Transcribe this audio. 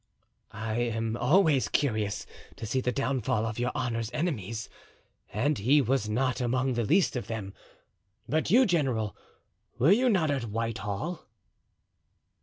"I am always curious to see the downfall of your honor's enemies, and he was not among the least of them. But you, general, were you not at Whitehall?"